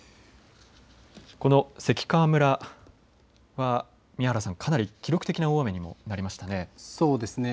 この関川村、宮原さん、かなり記録的な大雨にもなりましたね。